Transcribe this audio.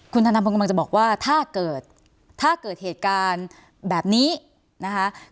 คุณธนัมพงศ์ก็บอกว่าถ้าเกิดเหตุการณ์แบบนี้นะคะ